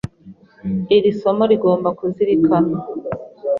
Iri somo rigomba kuzirikanwa.